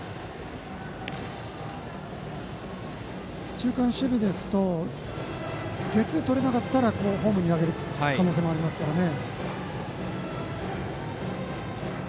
中間守備ですとゲッツーをとれなかったらホームに投げる可能性もありますからね。